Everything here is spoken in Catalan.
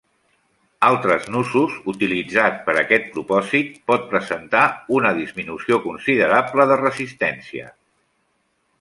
Altres nusos utilitzats per a aquest propòsit pot presentar una disminució considerable de resistència.